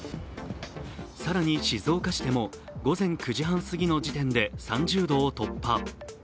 更に静岡市でも午前９時半過ぎの時点で３０度を突破。